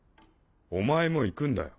お前も行くんだよ。